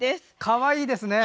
かわいいですね！